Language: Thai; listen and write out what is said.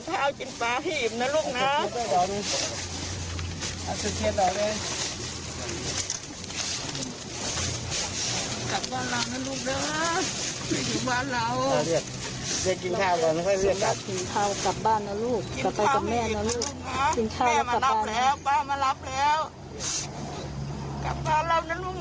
กลับบ้านรับนะลูกนะ